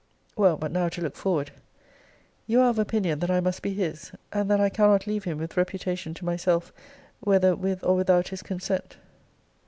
Well, but now to look forward, you are of opinion that I must be his: and that I cannot leave him with reputation to myself, whether with or without his consent.